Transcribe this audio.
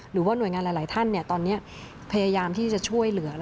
หรือว่าหน่วยงานหลายท่านตอนนี้พยายามที่จะช่วยเหลือ